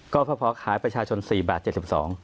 ก็พอขายประชาชน๔บาท๗๒บาท